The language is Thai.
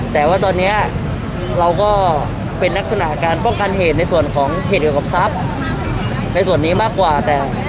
แต่ว่าตอนนี้เราก็เป็นลักษณะการป้องกันเหตุในส่วนของเหตุเกี่ยวกับทรัพย์ในส่วนนี้มากกว่าแต่